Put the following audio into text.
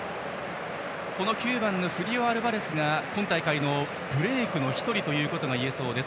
この９番のアルバレスが今大会、ブレークの１人といえそうです。